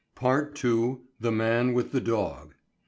PART II. THE MAN WITH THE DOG.